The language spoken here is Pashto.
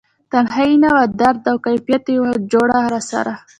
تنهایې نه وه درد او کیف یې و جوړه راسره